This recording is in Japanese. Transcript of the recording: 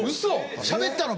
しゃべったの？